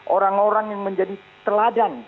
orang orang yang menjadi teladan